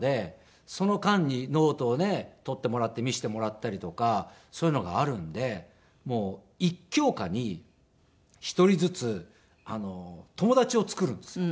その間にノートをね取ってもらって見せてもらったりとかそういうのがあるので１教科に１人ずつ友達を作るんですよ。